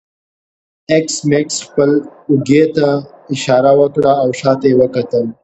ایس میکس خپل اوږې ته اشاره وکړه او شاته یې وکتل